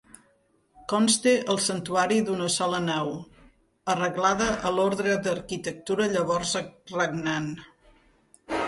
Consta el santuari d'una sola nau, arreglada a l'ordre d'arquitectura llavors regnant.